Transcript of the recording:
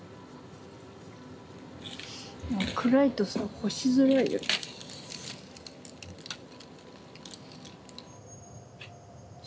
暗いとさ干しづらいよね。